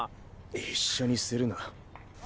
一緒にするな。